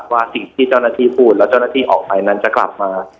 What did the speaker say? ว่าสิ่งที่เจ้าหน้าที่พูดแล้วเจ้าหน้าที่ออกไปนั้นจะกลับมา